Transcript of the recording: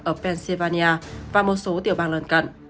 ở pennsylvania và một số tiểu bang lần cận